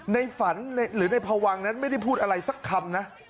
ในฝันหรือในพวังนั้นไม่ได้พูดอะไรสักคำนะ